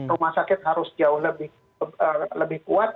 rumah sakit harus jauh lebih kuat